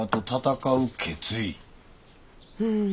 うん。